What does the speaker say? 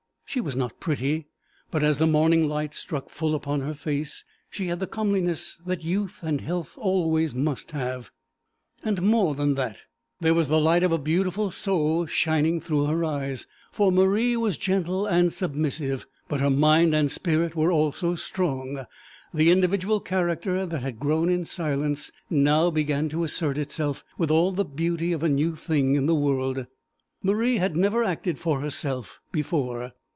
She was not pretty, but, as the morning light struck full upon her face, she had the comeliness that youth and health always must have; and more than that, there was the light of a beautiful soul shining through her eyes, for Marie was gentle and submissive, but her mind and spirit were also strong; the individual character that had grown in silence now began to assert itself with all the beauty of a new thing in the world. Marie had never acted for herself before.